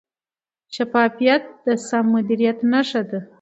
شفافیت د سم مدیریت نښه ده.